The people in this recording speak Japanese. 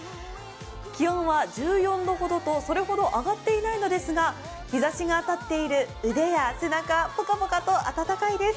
気温は１４度ほどとそれほど上がっていないのですが日ざしが当たっている腕や背中、ぽかぽかと暖かいです。